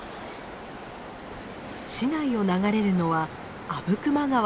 市内を流れるのは阿武隈川です。